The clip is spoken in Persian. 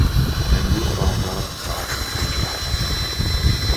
امروز بامداد، ساعت پنج برخاستم.